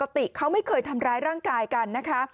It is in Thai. ปกติเขาไม่เคยทำร้ายร่างกายกันนะคะ